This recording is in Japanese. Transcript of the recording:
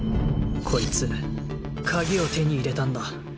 こいつ鍵を手に入れたんだ！